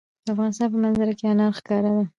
د افغانستان په منظره کې انار ښکاره ده.